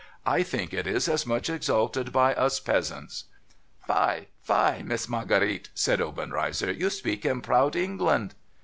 ' I think it is as much exalted by us peasants.' ' Fie, fie. Miss Marguerite,' said Obenreizer. ' You speak in proud P'.ngland.'